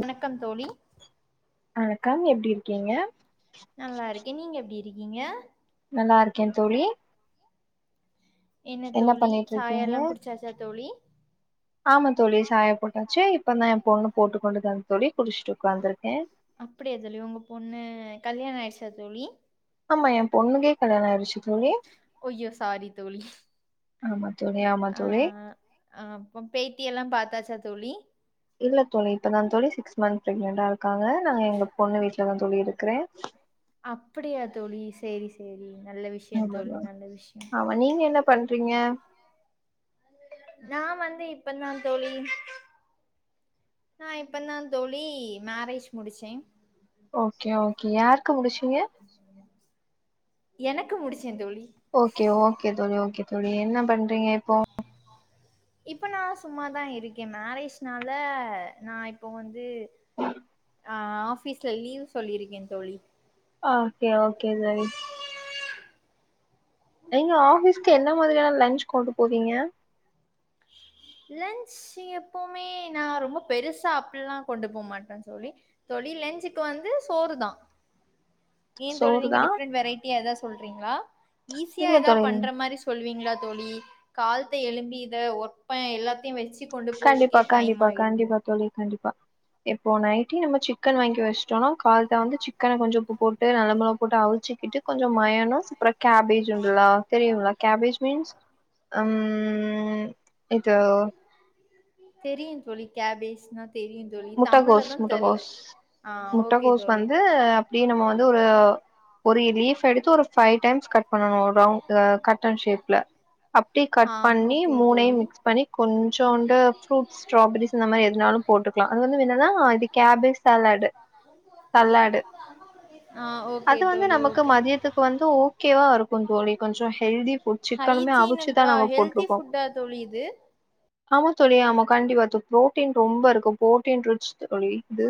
வணக்கம் தோழி வணக்கம் எப்டி இருக்கீங்க நல்லா இருக்கே நீங்க எப்டி இருக்கீங்க நல்லாருக்கேன் தோழி என்ன தோழி சாயா பண்ணிட்ருக்கீங்க எல்லா குடிச்சாச்சா தோழி ஆமா தோழி சாயா போட்டாச்சு இப்பதா என் பொண்ணு போட்டுக்கொண்டு தந்த தோழி குடிச்சுட்டு உக்காந்துருக்கே அப்டியா சர் தோழி ஆமா என் பொண்ணுக்கே கல்யாண ஆய்டுச்சு உய்யோ சாரி தோழி ஆமா தோழி ஆமா தோழி ஆஹ் ஆஹ் அப்பொ பேத்தி எல்லா பாத்தாச் சா தோழி இல்ல தோழி இப்பதா தோழி சிக்ஸ் மந்த் பிரெக்னன்டா இருக்காங்க நா எங்க பொண்ணு வீட்டுல தா தோழி இருக்குறே அப்டியா தோழி சேரி சேரி நல்ல விஷயோ தோழி [unintelligible] நல்ல விஷயோ ஆமா நீங்க என்ன பண்றீங்க நா வந்து இப்பந்தா தோழி நான் இப்பந்தா தோழி மேரேஜ் முடிச்சே ஓகே ஓகே யாருக்கு முடிச்சீங்க எனக்கு முடிச் ஓகே ஓகே தோழி ஓகே தோழி என்ன பண்றீங்க இப்பொ இப்ப நான் சும்மாதா இருக்கே மேரேஜ்னால நா இப்பொ வந்து ஆஹ் ஆபீஸ்ல லீவ் சொல்லியிருக்கே தோழி ஓகே ஓகே தோழி ஏங்க ஆஃபீஸ் என்ன மாதிரியான லன்ஞ்ச் கொண்டு போவீங்க லன்ஞ்சு எப்பமே நா ரொம்ப பெருசா அப்பில்லா கொண்டு போ மாட்ட தோழி தோழி லெஞ்சுக்கு வந்து சோறு தா ஏ தோழி சோறு நீங்க தா டிஃப்ரெண்ட் வெரைட்டியா எதாது சொல்றீங்களா ஈஸியா இல்ல ஏதா தோழி பண்ற மாரி சொல்லுவீங்களா தோழி கால்த்த எழும்பி இத ஒர் இப்ப எல்லாத்தையு வச்சு கண்டிப்பா கண்டிப்பா ஆயிருது. கண்டிப்பா தோழி கண்டிப் பா இப்போ நைட்டே நம்ம சிக்கன் வாங்கி வச்சுட்டோனா கால்ல வந்து சிக்கன கொஞ்சோ உப்பு போட்டு நல்ல மொலவ் போட்டு அவிச்சுக்கிட்டு கொஞ்சோ மயநோஸ் அப்ரோ கேபேஜ் உண்டுல்லா தெரியுங்ளா கேபேஜ் மீன்ஸ் அம் இது தெரியும் தோழி கேபேஜ்னா தெரியும் தோழி. தமிழ்ல முட்டகோஸ் தான் தெர்ல. முட்டகோஸ் ஆ ஓகே முட்டகோஸ் தோழி. வந்து அப்படியே நம்ம வந்து ஒரு ஒரு லீஃப் எடுத்து ஒரு பைவ் டைம்ஸ் கட் பண்ணணும் ஒரு ரவ் கட்டன் ஷேப்ல அப்டி கட் ஆ பண்ணி ஓகே தோழி மூணையும் மிக்ஸ் பண்ணி கொஞ் கொஞ்சோண்டு ஃப்ரூட்ஸ் ஸ்ட்ராபெரிஸ் இந்த மாரி எதனாலு போட்டுக் அது வந்து என்னனா இது கேப்பேச் சலடு சல்லடு ஆ ஓகே அது வந்து தோழி நமக்கு ஓகே மதியத்துக்கு வந்து ஓகேவா க்கு தோழி கொஞ்சோ ஹெல்தி ஃபுட் சிக்கனுமே அவிச்சு தா ஹைஜீனுக்கா நாங்க ஹெல்தி போட்ருக்கோ ஃபுட்டா தோழி இது அவ தோழி ஆமா கண்டிப்பா புரோட்டீன் ரொம்ப இருக்கும் புரோட்டின் ரிச் தோழி இது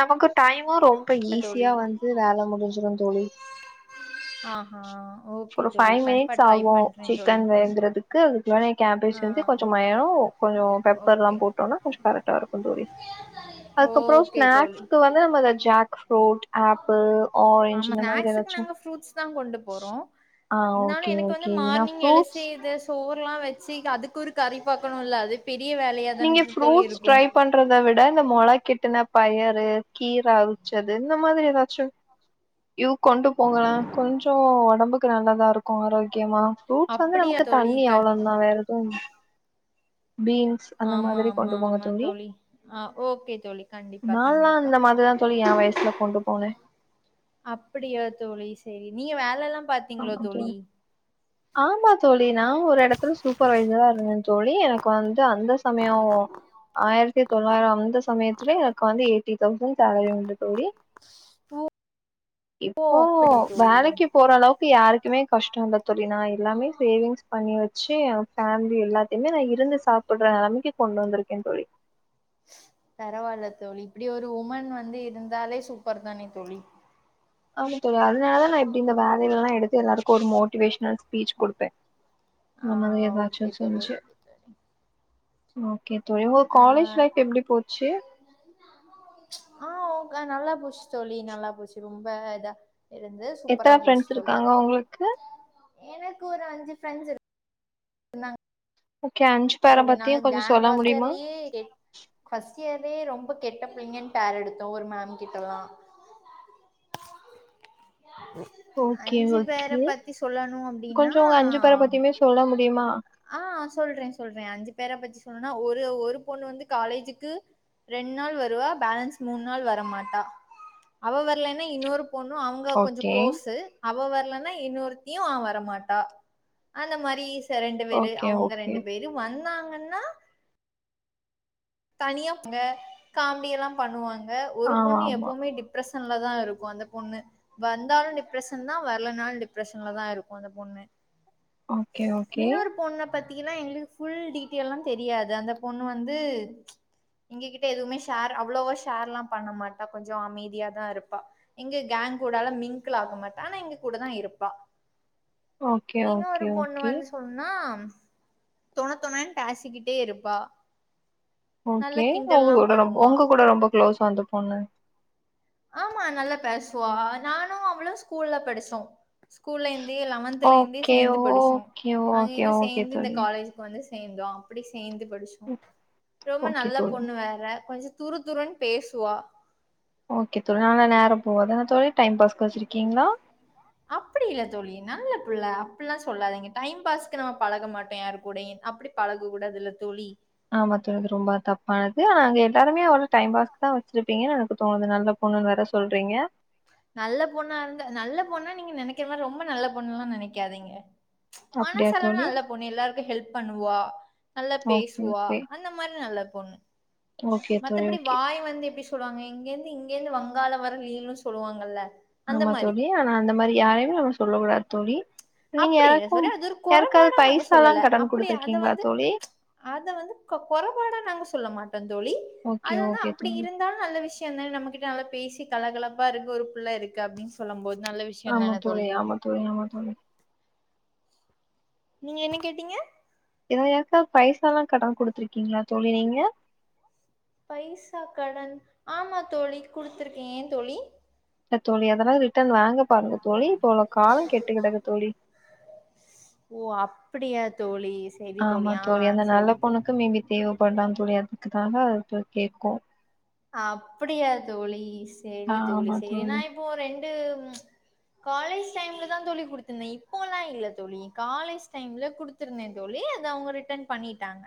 நமக்கு டைம் ரொம்ப ஈசியா தோழி வந்து வேல முடிஞ்சிரு தோழி ஆஹா ஓகே ஒரு தோழி ஃபைவ் கண்டிப்பா மினிட்ஸ் ட்ரை ஆகு பண்றே தோழி சிக்கன் வேகுறதுக்கு அதுக்குள்ளார எ கேப்பேஜ் ஆ செஞ்சு கொஞ்சோ மயோ கொஞ்சோ பெப்பர் ஓகே எல்லாம் போட்டோனா கொஞ்சம் கரெக்டா இருக்கும் தோழி அதுக்கறம் ஓகே தோழி ஸ்நாக்ஸ்க்கு வந்து நம்ம ஜ போட் ஆப்பிள் ஆரஞ்ச் ஆமா இந்த மாதிரி ஸ்நாக்ஸுக்கு ஏதாச்சு நாங்க ஃப்ரூட்ஸ் தா கொண்டு போறோ ஆ இருந்தாலு ஓகே எனக்கு வந்து ஓகே இல்லனா மார்னிங் எழுச்சி ஃப்ரூட்ஸ் இது சோறுலா வச்சி அதுக்கொரு கறி பாக்கணுல்ல அது பெரிய வேலையா நீங்க தான தோழி ஃப்ரூட்ஸ் இருக்கு ட்ரை பண்றத விட இந்த மொள கெட்டுன பயரு கீர அவிச்சது இந்த மாதிரி ஏதாச்சு யூ கொண்டு போங்க கொஞ்சோ ஒடம்புக்கு நல்லதா இருக் கு ஆரோக்கியமா ஃப்ரூட்ஸ் வந்து அப்படியா நமக்கு தோழி தண்ணி கண்டி அவ்ளந் தா வேறெது பீன் ஆமா ஆமா ஆமா தோழி ஆஹ் ஓகே தோழி கண்டிப்பா நான்லாம் கண்டிப்பா அந்த மாதிரிதான் தோழி என் வயசுல கொண்டு போனேன் அப்படியா தோழி சரி நீங்க வேலல்லாம் ஆமா தோழி ஆமா தோழி நான் ஒரு இடத்துல சூப்பர்வைசரா இருந்தன் தோழி எனக்கு வந் து அந்த சமயோ ஆயிரத்தி தொள்ளாயிரோ ஆந்தஸ் சமயத்துல ஏ [unintelligible] டி தவ்ஸண் சேலரி ந்த தோழி ஓ இப்போ அப்படி தோழி வேலைக்கு போற அளவுக் யாருக்குமே கஷ்டோல்ல தோழி நா எல்லாமே சேவிங்ஸ் பண்ணி வச்சு ஃபேமிலி எல்லாத்தைமே நா இருந்து சாப்புட்ற நெலமக்கி கொண்டு வந்துருக்கே தோழி பரவால்ல தோழி இப்டி ஒரு உமன் வந்து இருந்தாலே சூப்பர் தானே தோழி ஆமா தோழி அதுனாலதா நா இப்டி இந்த வேலைலலா எடுத்து எல்லாருக்கு ஒரு மோட்டிவேஷனல் ஸ்பீச் குடுப்பே ஆ இந்த மாரி ஓகே எதாச்சு தோழி செஞ்சு ஓகே தோழி ஓகே தோழி உங்க ஆ காலேஜ் லைஃப் எப்டி போச்சு ஆ ஓ க நல்லா போச்சு தோழி நல்லா போச்சு ரொம்ப இதா இருந்து சூப்பரா எத்தன போச்சு ஃப்ரெண்ட்ஸ் தோழி இருக்காங்க உங்ளுக்கு எனக்கு ஒரு அஞ்சு ஃப்ரெண்ட்ஸ் இரு ஓகே அஞ்சு இருக்காங்க பேர தோழி பத்தியு நாங்க கொஞ்சொ சொல்ல கேங்கா முடியுமா ட் இயர்லே ரொம்ப கெட்ட பிள்ளைங்கன் பேர் எடுத்தோ ஒரு மேம் கிட்டல்லா ஓகே, அஞ்சு பேர ஓகே. பத்தி சொல்லணு அப்டின்னா கொஞ்சம் உங்க பேர பத்தியுமே சொல்ல முடியுமா? ஆ சொல்றே சொல்றே அஞ்சு பேர பத்தி சொல்னுனா ஒரு ஒரு பொண்ணு வந்து காலேஜுக்கு ரெண் நாள் வருவா பேலன்ஸ் மூண் நாள் வர மாட்டா அவ வர்லெனா இன்னொரு பொண்ணு அவுங்க கொஞ்ச ஓகே. கு்ளோஸு அவ வர்லன் னா இன்னொருத்தியு ஆ வர மாட்டா அந்த மாரி த ரெண்டு பேரு ஓகே, அவுங்க ஓகே. ரெண்டு பேரு வந் தாங்கன்னா தனியா அவுங்க காமெடியெல்லா பண்ணுவாங் க ஒரு பொண்ணு ஆமாமா. எப்பவுமே டிப்ரெஸ் ஸன்லதா இருக்கு அந்த பொண்ணு வந்தாலு டிப்ரஸன் தா வர்லனால் டிப்ரெஷன்ல தா இருக்கு அந்த பொண்ணு ஓகே ஓகே பாத்தீங்கனா எங்களுக்கு ஃபுல் டீட்டெயல்லா தெரியாது அந்த பொண்ணு வந்து எங்ககிட்ட எதுவ்மே ஷேர் அவ்ளவா ஷேர்ல்லாம் பண்ண மாட்டா கொஞ்சொ அமைதியாதாருப்பா எங்க கேங் கூடலா மிங்கிள் ஆக மாட்டா ஆனா எங்க கூடதா இருப்பா ஓகே ஓகே ஓகே [unintelligible] இது வந்து சொன்னா ஆம் தொண தொணன் பேசிகிட்டே இருப்பா நல்ல ஓகே ஒங்க கிண்டல்லா கூட ரொம் பண்ணுவா ஒங்க கூட ரொம்ப க்ளோஸா அந்த பொண்ணு ஆமா நல்லா பேசுவா நானு அவளு ஸ்கூல்ல படிச்சோ ஸ்கூல்லயிந்தே லெவன்த்துலயிருந்தே ஓகே, சேந்து படிச்சோ ஓகே, ஓகே, அங்கயிந்து ஓகே சேந்து இந்த தோழி. காலேஜுக்கு வந்து சேந்தோ அப்புடி சேந்து படுச்சோ ரொம்ப ஓகே நல்லா தோழி. பொண்ணு வேற கொஞ்சொ துருதுருன்னு பேசுவா ஓகே தோழா நல்ல நேரம் போக தொழில் டைம் பாஸ் வச்சிருக்கீங்களா அப்படி இல்ல தோழி நல்ல புள்ள அப்படில்லாம் சொல்லாதீங்க டைம் பாஸ்க்கு நாம பழக மாட்டோம் யாரு கூடயும் அப்படி பழக கூடாதுல தோழி ஆமா தோணுது ரொம்ப தப்பானது ஆனா அங்க எல்லாருமே அவள டைம் பாஸ் தான் வச்சிருப்பீங்கன்னு எனக்கு தோணுது நல்ல பொண்ணுன்னு வேற சொல்றீங்க நல்ல பொண்ணா இருந்த நல்ல பொண்ணா நீங்க நெனைக்கிற மாரி ரொம்ப நல்ல பொண்ணுல்லா நெனைக்காதிங்க அப்படியா மனசளவு தோழி? நல்ல பொண்ணு எல்லாருக்கு ஹெல்ப் பண்ணுவா நல்லா ஓகே பேசுவா ஓகே அந்த மாரி நல்ல பொண் ஓகே தோழி மத்தபடி ஓகே வாய் வந்து எப்படி சொல்லுவாங்க இங்கிருந்து இங்கிருந்து வங்காளம் வர நீலும்னு சொல்லுவாங்கல்ல அந்த ஆமா மாரி. தோழி ஆனா அந்த மாதிரி யாரையுமே நம்ம சொல்ல கூடாது தோழி நீங்க அப்படி யாருக்கும் சரி அது ஒரு யாருக்காவது குறைபாடா நாங்க பைசால்லா சொல்லல கடன் அப்படி அத குடுத்துருக்கீங்களா வந்து தோழி அத வந்து குறைபாடா நாங்க சொல்ல மாட்டோம் தோழி ஓகே அது வந்து ஓகே அப்படி தோழி இருந்தாலும் அ நல்ல விஷயம் தானே நம்மகிட்ட நல்லா பேசி கலகலப்பா இருக்கு ஒரு பிள்ளை இருக்கு அப்படின்னு சொல்லும் போது நல்ல விஷயோ ஆமா தானே தோழி ஆமா தோழி ஆமா தோழி நீங்க என்ன கேட்டீங்க ல்ல யாருக்காவது பைசா எல்லாம் கடன் குடுத்துருக்கீங்களா தோழி நீங்க பைசா கடன் ஆமா தோழி குடுத்துருக்கேன் ஏன் தோழி தோழி அதனால ரிட்டர்ன் வாங்க பாருங்க தோழி இப்பல காலம் கெட்டு கிடக்கு தோழி ஓ அப்படியா தோழி சரி ஆமா ஆ தோழி அந்த நல்ல சரி தோழி பொண்ணுக்கு மேபி தேவைப்படலான் விளையாட்டு க்கு தாங்க அது கேட்கோம் அப்படியா தோழி ஆ சரி தோழி ஆமா சரி நான் இப்போ ரெண்டு காலேஜ் டைம்ல தான் தோழி குடுத்திருந்தேன் இப்போல்லாம் இல்ல தோழி காலேஜ் டைம்ல குடுத்திருந்தேன் தோழி அதை அவங்க ரிட்டர்ன் பண்ணிட்டாங்க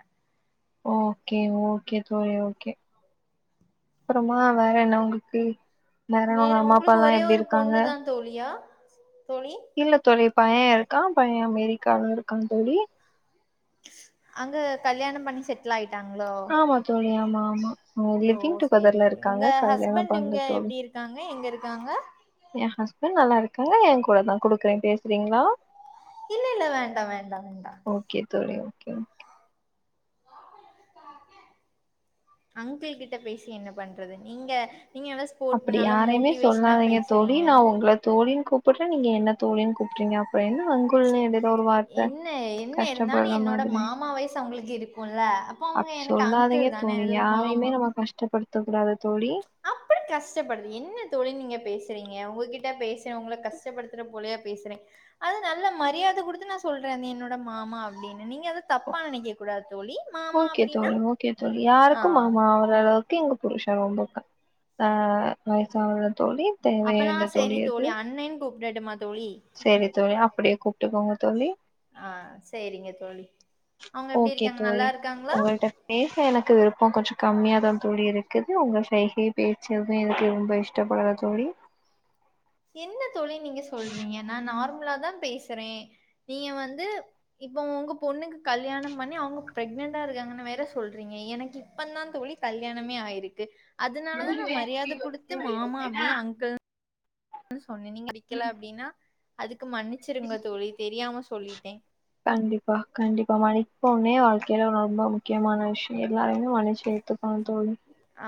ஓகே ஓகே தோழி ஓகே அப்புறமா வேற என்ன உங்களுக்கு வேற உங்க அம்மா உங்களுக்கு அப்பால்லா ஒரே எப்டி ஒரு இருக்காங்க? பொண்ணுதான் தோழியா தோழி. இல்ல தோழி பையன் இருக்கான் பையன் அமெரிக்காவுல இருக்கான் தோழி அங்க கல்யாணம் பண்ணி செட்டில் ஆயிட்ட ட்டங்கலோ ஆமா தோழி ஆமா ஆமா ம் ஓ லிவ்விங் சரி ங்க டுகெதர்ல தோழி இருக்காங்க உங்க கல்யாண ஹஸ்பண்ட் இங்க எப்படி இருக்காங்க எங்க இருக்கு இருக்காங்க என் ஹஸ்பண்ட் நல்லா இருக்காங்க என் கூட தான் குடுக்குறேன் பேசுறீங்களா இல்ல இல்ல வேண்டாம் வேண்டாம் வேண்டாம் தோழி ஓகே ஓகே அங்கிள் கிட்ட பேசி என்ன பண்றது நீங்க நீங்க நல்லா ஸ்போர்ட் அப்படி நல்ல யாரையுமே மோட்டிவேஷனா சொல்லாதீங்க தோழி பேசுறீங்க. நான் உங்களை தோழின்னு கூப்பிட்றே நீங்க என்ன தோழின்னு கூப்பிறீங்க அப்பறஎன்ன அங்குல்னு எடுத் என்ன என்ன இருந்தாலு என்னோட மாதிரி. மாமா வயசு அவங்களுக்கு இருக்குல அப்போ அவங்க அப்டி எனக்கு சொல்லாதீங்க அங்கிள் தானே தோழி அது ஒரு யாரையுமே மாமா நம்ம [unintelligible] தோழி கஷ்டபடுது என்ன தோழி நீங்க பேசுறீங்க உங்ககிட்ட பேசு உங்கள கஷ்டப்படுத்துற போலியா பேசுறே அது நல்ல மரியாத குடுத்து நா சொல்ற அது என்னோட மாமா அப்டின் நீங்க அது தப்பா நெனைக்க கூடாது தோழி மாமா ஓகே அப்படின்னா தோழி ஓகே தோழி ஆ யாருக்கு மாமா அவர அளவுக்கு எங்க புருஷ் த ரொம்பக்கா ஆ வயசானதுல தோழி தேவையான தோழி அது றடுமா சேரி தோழி அப்டியே கூப்ட்டுக்கோங்க தோழி ஆ சரிங்க தோழி அவங்க எப்படி ஓகே இருக்காங்க நல்லா தோழி இருக்காங்களா உங்கள்ட்டா பேச எனக்கு விருப்ப கொஞ்ச கம்மியாதா தோழி இருக்குது உங்க சைகை பேச்சது எனக்கு ரொம்ப இஷ்டப்படல தோழி என்ன தோழி நீங்க சொல்றீங்க நா நார் மலாதா பேசுறே நீங்க வந்து இப்ப ஒங்க பொண்ணுக்கு கல்யாணம் பண்ணி அவங்க பிரெக்னென்டா இருக்காங்கன்னு வேற சொல்றீங்க எனக்கு இப்ப தா தோழி கல்யாணமே ஆயிருக்கு அதனாலதா நா மரியாத குடுத்து மாமா அப்டி அங்கிள் சொன்னே நீங்க விக்கில அப்டின்னா அதுக் கு மன்னிச்சிருங்க தோழி தெரியாம சொ சொல்லிட்டே கண்டிப்பா கண்டிப்பா மனிப்போனே வாழ்க்கையில ரொம்ப முக்கியமான விஷய எல்லாருமே மன்னிச்சி ஏத்துக்குணு தோழி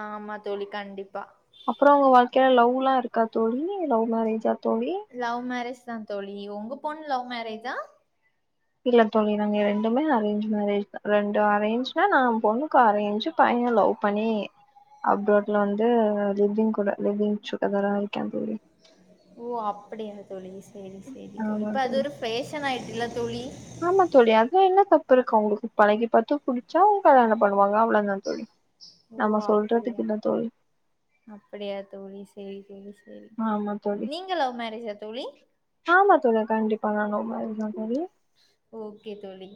ஆமா தோழி கண்டிப்பா அப்றோ ஒங்க வாழ்க்கைல லவ்லா இருக்காத்தோழி இது லவ் மேரேஜா தோழி லவ் மரேஜ் தா தோழி உங்க பொண்ணு லவ் மரேஜா இல்ல தோழி நாங்க ரெண்டுமே அரேஞ்ச் மேரேஜ் தா ரெண்டு அரேஞ்னா நா பொண்ணுக்கு அரேஞ்சு பைய லவ் பண்ணி அப்ராட்ல வந்து லிவ்விங் கூட லிவ்விங் டுக்கேதரா இருக்கா தோழி ஓ அப்படியா தோழி சேரி சேரி தோழி இப்ப அது ஒரு பேஷன் ஆயிட்டுல்ல தோழி ஆமா தோழி அதுல என்ன தப்பு இருக்கு அவங்களுக்கு பழகி பாத்து புடிச்சா கல்யாணோ பண்ணுவாங்க அவ்ளந் தா தோழி ஓ நம்ம அப்படியா சொல்றதுக்கு இல்ல தோழி அப்படியா தோழி சேரி ஏய் லூசு ஆமா தோழி தோழி? ஆமா தோழி கண்டிப்பா நா லவ் மேரேஜ் தா தோழி ஓகே தோழி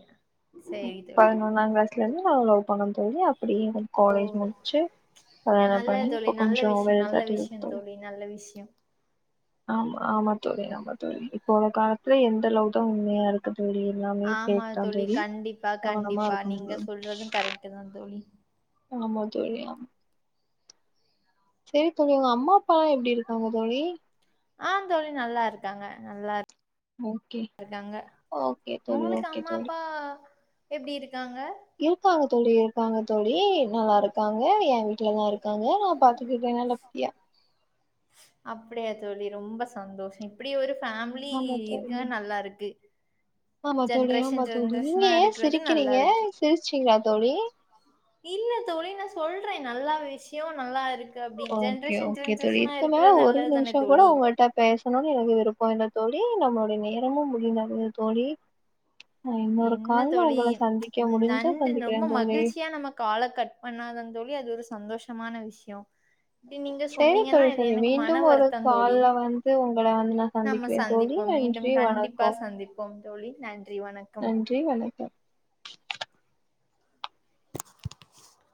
சேரி தோழி பதினொன்னா க்ளஸ்ல இருந்து நா லவ் பண்ண தோழி அப் அப்படி காலேஜ் முடிச்சு கல்யாணம் நல்ல பண்ணி தோழி இப்ப நல்ல கொஞ்சோ விஷயம் வெல்‌ நல்ல செட்டில்டு விஷயம் தோழி நல்ல விஷயம் ஆமா ஆமா தோழி‌ ஆமா தோழி இப்போ உள்ள காலத்துல எந்த லவ்தா ‌உண்மையா இருக்கு தோழி எல்லாமே ஃபேக் தா தோழி ப்பா கவனமா கண்டிப்பா இருக்கணும் நீங்க தோழி சொல்றது கரெக்ட்டுதான் தோழி ஆமா தோழி ஆம் செரி தோழி உங்க அம்மா அப்பால்லா எப்டி இருக்காங்க தோழி ஆ தோழி நல்லாருக்காங்க நல்லா ஓகே இருக்காங்க ஓகே தோழி உங்களுக்கு ஓகே அம்மா தோழி அப்பா எப்டி இருக்காங்க இருக்காங்க தோழி இருக்காங்க தோழி நல்லாருக்காங்க எ வீட்லதா இருக்காங்க நா பாத் எப்டி இருக்காங்க நல்லபடியா படியா தோழி ரொம்ப சந்தோஷோ இப்டி ஒரு ஃபேம்லி ஆமா இருக்க தோழி நல்லாருக்கு ஆமா தோழி ஆமா தோழி நீங்க ஏ இருக்கிறது நல்லா சிரிக்கறீங்க இருக்கு சிரிச்சிங்ளா தோழி இல்ல தோழி நா சொல்றே நல்லா விஷய நல்லா இருக் ஓகே ஓகே தோழி இதுக்கு மேல ஒரு நல்லது தானே நிமிஷ கூட தோழி உங்கள்ட்ட பேசணுனு எனக்கு விருப்ப இல்ல தோழி நம்மளுடைய நேரமும் முடிந்தது தோழி நான் இன்னொரு என்ன கால்ல தோழி உங்கள ப்ச் சந்திக்க முடிஞ்சா நன் ரொம்ப சந்திக்கிறேன் தோழி மகிழ்ச்சியா நம்ம கால கட் பண்ணாதான் தோழி அது ஒரு சந்தோஷமான விஷய சரி தோழி தோழி மீண்டும் ஒரு வருத்தம் தோழி கால்ல வந்து உங்கள வந்து நா நம்ம சந்திக்கறேன் தோழி சந்திப்போம் மீண்டும் நன்றி கண்டிப்பா வணக்கம் சந்திப்போம் தோழி நன்றி வ நன்றி வணக்கம்